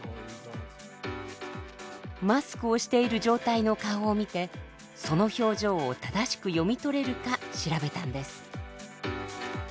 マスクをしている状態の顔を見てその表情を正しく読み取れるか調べたんです。